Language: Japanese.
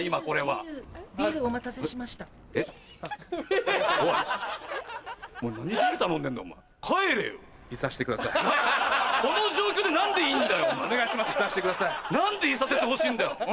この状況で何でいんだよ